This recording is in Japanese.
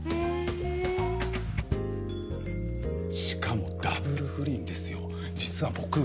しかもダブル不倫ですよ実は僕。